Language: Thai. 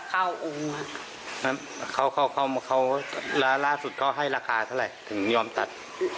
แล้วมาทำตีจะทำตีตัดกุบกุบกุบ